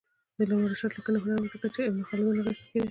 د علامه رشاد لیکنی هنر مهم دی ځکه چې ابن خلدون اغېز پکې دی.